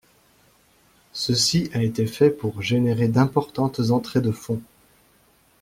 Ceci a été fait pour générer d'importantes entrées de fonds.